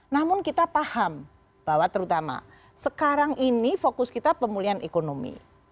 namun kita paham bahwa terutama sekarang ini fokus kita pemulihan ekonomi